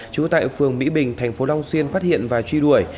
trú tại phường mỹ bình thành phố long xuyên phát hiện và truy đuổi